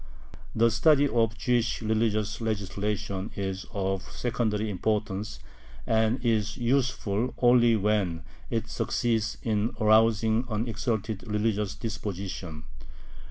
The study of Jewish religious legislation is of secondary importance, and is useful only when it succeeds in arousing an exalted religious disposition.